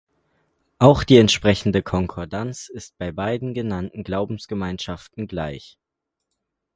Auch die entsprechende Konkordanz ist bei beiden genannten Glaubensgemeinschaften gleich.